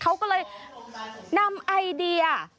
เขาก็เลยนำไอเดีย